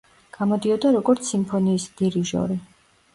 გამოდიოდა როგორც სიმფონიის დირიჟორი.